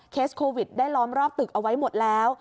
โควิดได้ล้อมรอบตึกเอาไว้หมดแล้ว